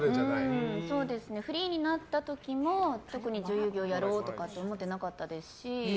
フリーになった時も特に女優業をやろうとか思ってなかったですし。